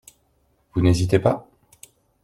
Vous n'hésitez pas?